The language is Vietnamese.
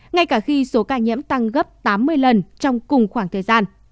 ngay cả khi số ca nhiễm tăng gấp tám mươi lần trong cùng khoảng thời gian